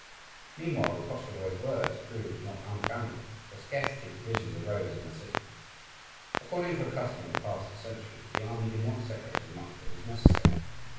Meanwhile, the Koschevoi's words proved not unfounded, for a scarcity of provisions arose in the city. According to a custom of past centuries, the army did not separate as much as was necessary.